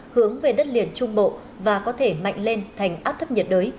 hướng về đất liền trung bộ và có thể mạnh lên thành áp thấp nhiệt đới